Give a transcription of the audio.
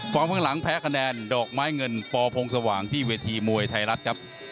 ข้างหลังแพ้คะแนนดอกไม้เงินปพงสว่างที่เวทีมวยไทยรัฐครับ